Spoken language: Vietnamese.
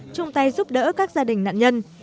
chung tay giúp đỡ các gia đình nạn nhân